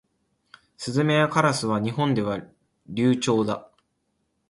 スズメやカラスは日本では留鳥だ。